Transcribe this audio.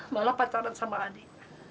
malah pacaran sama adi